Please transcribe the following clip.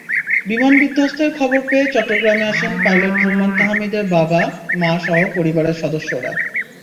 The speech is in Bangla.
বিমান বিধ্বস্তের খবর পেয়ে চট্টগ্রামে আসেন পাইলট রুম্মান তাহমিদের বাবা-মাসহ পরিবারের সদস্যরা।